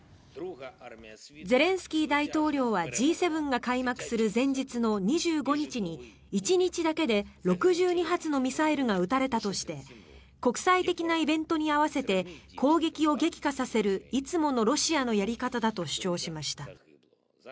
ゼレンスキー大統領はＧ７が開幕する前日の２５日に１日だけで６２発のミサイルが撃たれたとして国際的なイベントに合わせて攻撃を激化させるいつものロシアのやり方だと主張しました。